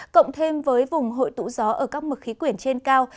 cộng thêm với vùng hội tụ gió ở các mực khí quyển trên cao